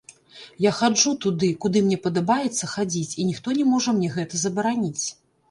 Я хаджу туды, куды мне падабаецца хадзіць, і ніхто не можа мне гэта забараніць.